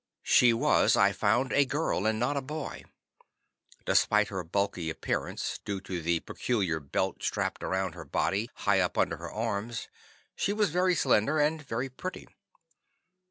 She was, I found, a girl, and not a boy. Despite her bulky appearance, due to the peculiar belt strapped around her body high up under the arms, she was very slender, and very pretty.